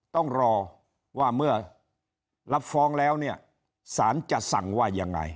ต้องรอว่าเมื่อรับฟ้องแล้วเนี่ยสารจะสั่งว่ายังไง